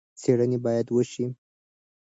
څېړنې باید وشي.